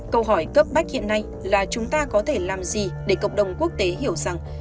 câu hỏi cấp bách hiện nay là chúng ta có thể làm gì để cộng đồng quốc tế hiểu rằng